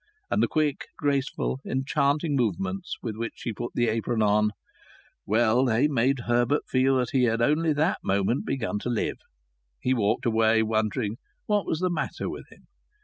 And the quick, graceful, enchanting movements with which she put the apron on well, they made Herbert feel that he had only that moment begun to live. He walked away wondering what was the matter with him.